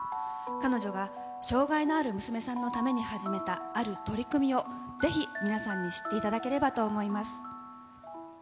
彼女が障がいのある娘さんのために始めたある取り組みを、ぜひ皆さんに知っていただければと思います。